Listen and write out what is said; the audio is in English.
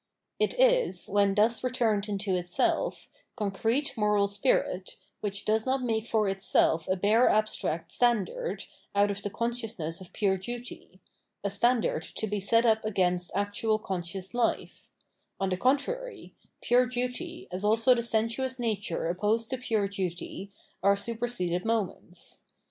It is, when thus returned into itseK, con crete moral spirit, which does not make for itself a bare abstract standard out of the consciousness of pure duty, a standard to be set up against actual conscious life ; on the contrary, pure duty, as also the sensuous nature opposed to pure duty, are superseded moments.